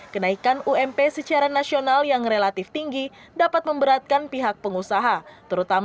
kenaikan ump secara nasional yang relatif tinggi dapat memberatkan pihak pengusaha